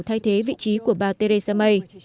thay thế vị trí của bà theresa may